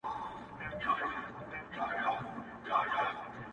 • اوسېدونکو افغانانو ټلیفون راته وکړ -